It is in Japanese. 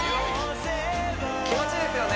気持ちいいですよね